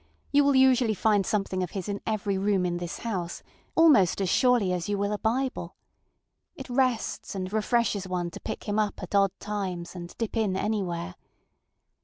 You will usually find something of his in every room in this houseŌĆöalmost as surely as you will a Bible. It rests and refreshes one to pick him up at odd times, and dip in anywhere.